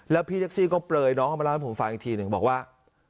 แล้วพี่แท็กซี่ก็เปลยน้องเข้ามาเล่าให้ผมฟังอีกทีหนึ่งบอกว่า